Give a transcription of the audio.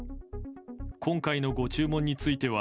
今回のご注文については、